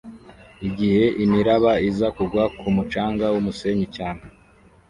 igihe imiraba iza kugwa ku mucanga wumusenyi cyane